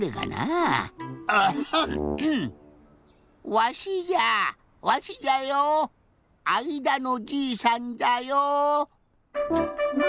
「わしじゃわしじゃよあいだのじいさんじゃよ」。